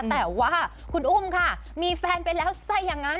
แต่ว่าคุณอุ้มค่ะมีแฟนไปแล้วซะอย่างนั้น